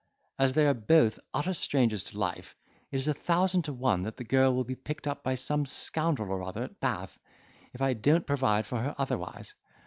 As they are both utter strangers to life, it is a thousand to one that the girl will be picked up by some scoundrel or other at Bath, if I don't provide for her otherwise.